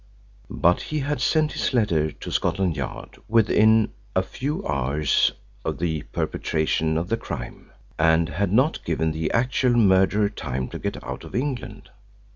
But he had sent his letter to Scotland Yard within a few hours of the perpetration of the crime, and had not given the actual murderer time to get out of England.